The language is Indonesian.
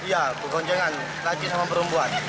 iya keboncengan lagi sama perempuan